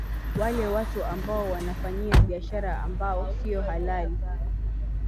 wale watu ambao wanafanyia biashara ambao sio halai